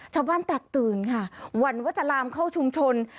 ชาวบ้านแตกตื่นค่ะหวั่นว่าจะลามเข้าชุมชน